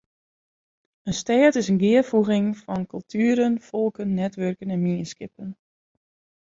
In stêd is in gearfoeging fan kultueren, folken, netwurken en mienskippen.